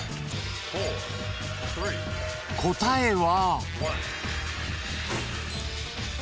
［答えは］